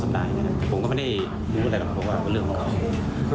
สัปดายแต่ผมก็ไม่ได้รู้อะไรล่ะเพราะว่ะเรื่องของเขา